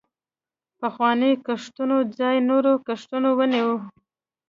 پخوانیو کښتونو ځای نورو کښتونو ونیوه.